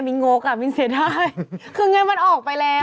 มิน่าโง่กอ่ะมิน่าเสียดายคือไงมันออกไปแล้ว